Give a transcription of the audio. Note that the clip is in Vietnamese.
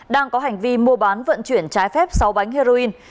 đang có hành vi mua bán vận chuyển trái phép sáu bánh heroin